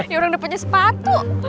ya orang dapetnya sepatu